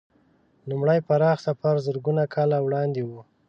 لومړی پراخ سفر زرګونه کاله وړاندې و.